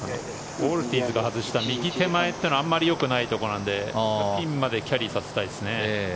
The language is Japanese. オルティーズが外した右手前というのはあまりよくないところなのでピンまでキャリーさせたいですね。